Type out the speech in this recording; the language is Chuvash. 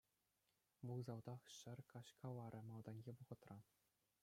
Вокзалтах ҫӗр каҫкаларӗ малтанхи вӑхӑтра.